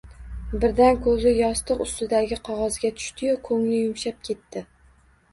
Birdan koʼzi yostiq ustidagi qogʼozga tushdi-yu, koʼngli yumshab ketdi.